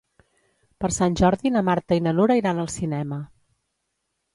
Per Sant Jordi na Marta i na Nura iran al cinema.